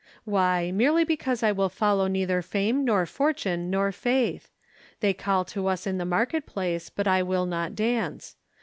Why, merely because I will follow neither Fame nor Fortune nor Faith. They call to us in the market place, but I will not dance.